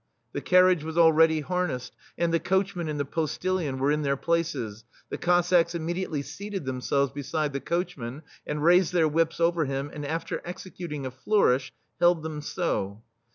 The carriage was already harnessed, and the coachman and the postillion were in their places. The Cossacks im mediately seated themselves beside the coachman, and raised their whips over him, and, after executing a flourish, held them so.